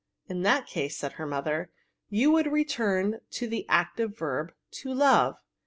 " In that case," said her mother, " you would return to the active verb to love.